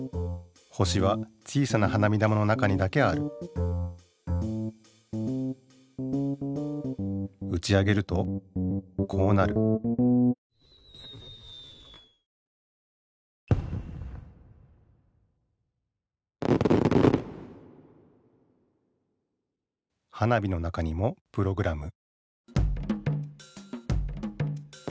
星は小さな花火玉の中にだけあるうち上げるとこうなる花火の中にもプログラム